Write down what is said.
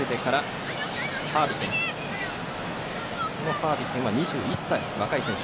ハービケンは２１歳の若い選手。